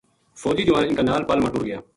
فوجی جوان اِنھ کے نال پل ما ٹُر گیا